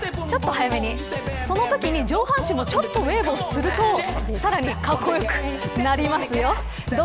そのときに上半身もちょっとウェーブをするとさらに格好良くなりますよ。